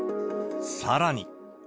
さらに。